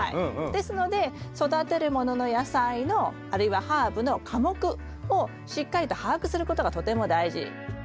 ですので育てるものの野菜のあるいはハーブの科目をしっかりと把握することがとても大事。